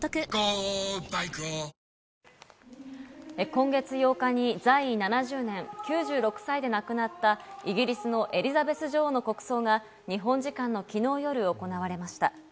今月８日に在位７０年、９６歳で亡くなったイギリスのエリザベス女王の国葬が日本時間の昨日夜行われました。